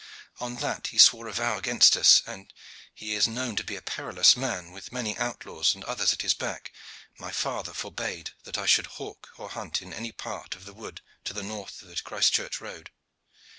On that he swore a vow against us, and as he is known to be a perilous man, with many outlaws and others at his back, my father forbade that I should hawk or hunt in any part of the wood to the north of the Christchurch road.